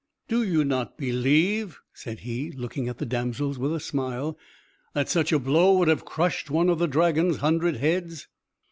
"Do you not believe," said he, looking at the damsels with a smile, "that such a blow would have crushed one of the dragon's hundred heads?"